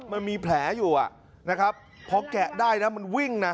มันมีแผลอยู่นะครับพอแกะได้นะมันวิ่งนะ